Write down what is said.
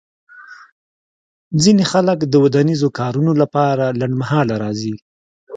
ځینې خلک د ودانیزو کارونو لپاره لنډمهاله راځي